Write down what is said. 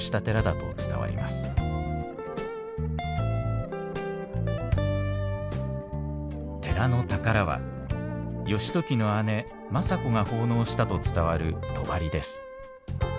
寺の宝は義時の姉政子が奉納したと伝わるとばりです。